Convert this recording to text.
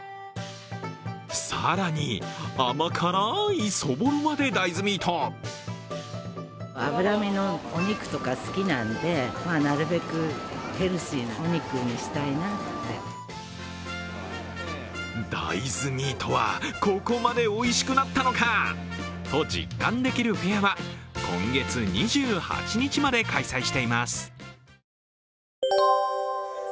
更に、甘辛いそぼろまで大豆ミート大豆ミートはここまでおいしくなったのかと実感できるフェアは今月２８日まで開催しています。